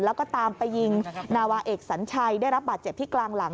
แล้วก็ตามไปยิงนาวาเอกสัญชัยได้รับบาดเจ็บที่กลางหลัง